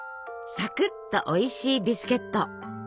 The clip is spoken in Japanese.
サクッとおいしいビスケット。